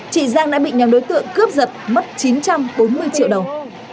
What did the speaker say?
chị giang đã bị nhóm đối tượng cướp giật mất chín trăm bốn mươi triệu đồng